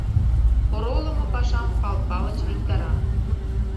Оролымо пашам Пал Палыч виктара.